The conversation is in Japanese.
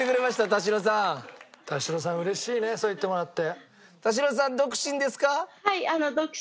田代さん嬉しいねそう言ってもらって。